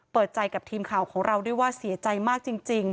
เปิดใจกับทีมข่าวของเราด้วยว่าเสียใจมากจริง